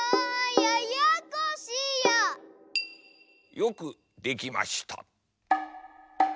よくできました。